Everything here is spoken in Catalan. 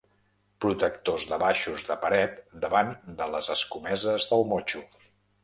Protectors de baixos de paret davant de les escomeses del motxo.